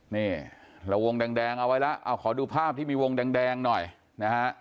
นี่เราวงแดงเอ่อไว้ละอ้าวขอดูภาพที่วงแดงหน่อยนะฮะ